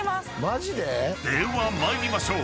［では参りましょう］